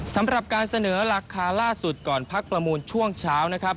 สำหรับการเสนอราคาล่าสุดก่อนพักประมูลช่วงเช้านะครับ